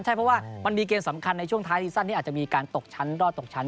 ใช่เพราะว่ามันมีเกมสำคัญในช่วงท้ายซีซั่นที่อาจจะมีการตกชั้นรอดตกชั้น